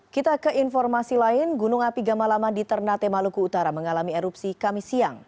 kita ke informasi lain gunung api gamalama di ternate maluku utara mengalami erupsi kami siang